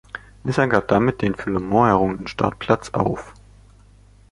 Nissan gab damit den für Le Mans errungenen Startplatz auf.